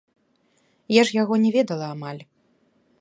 Я ж яго не ведала амаль.